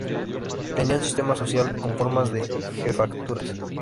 Tenía un sistema social con formas de "jefaturas".